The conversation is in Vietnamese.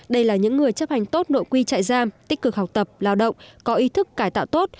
đây là những người chấp hành tốt nội quy trại giam tích cực học tập lao động có ý thức cải tạo tốt